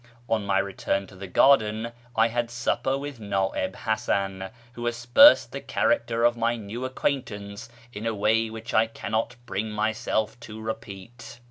On my return to the garden I had supper with Na'ib Hasan, who aspersed the character of my new acquaintance in a way which I cannot bring myself to repeat.